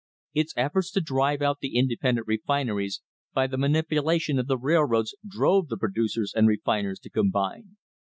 Its efforts to drive out the independent refineries by the manipulation of the railroads drove the producers and refiners to combine.